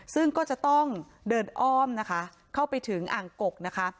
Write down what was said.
ซึ่งก็จะต้องเดินอ้อมนะคะเข้าไปถึงอ่างกกนะคะ